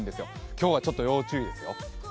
今日はちょっと要注意ですよ。